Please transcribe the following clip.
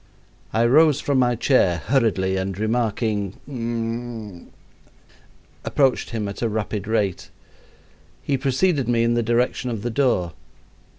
I rose from my chair hurriedly and remarking "," approached him at a rapid rate. He preceded me in the direction of the door.